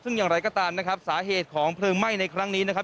ซึ่งอย่างไรก็ตามนะครับสาเหตุของเพลิงไหม้ในครั้งนี้นะครับ